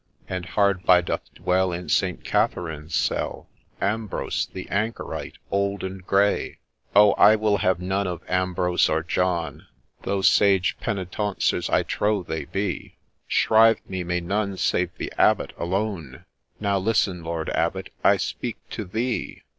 And hard by doth dwell, in St. Catherine's cell, Ambrose, the anchorite old and grey !' 4 — Oh, I will have none of Ambrose or John, Though sage Penitauncers I trow they be ; Shrive me may none save the Abbot alone, Now listen, Lord Abbot, I speak to thee.